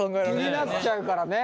気になっちゃうからね。